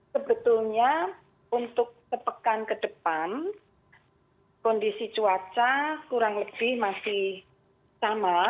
sebetulnya untuk sepekan ke depan kondisi cuaca kurang lebih masih sama